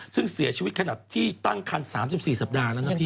ซึ่งเสียชีวิตขนาดที่ตั้งคัน๓๔สัปดาห์แล้วนะพี่